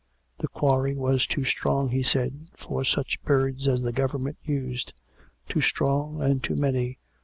The quarry was too strong, he said, for such birds as the Government used — too strong and too many.